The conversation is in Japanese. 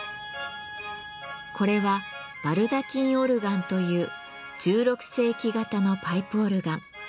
これは「バルダキンオルガン」という１６世紀型のパイプオルガン。